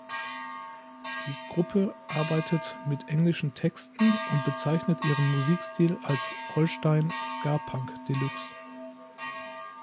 Die Gruppe arbeitet mit englischen Texten und bezeichnet ihren Musikstil als "Holstein-Skapunkdeluxe".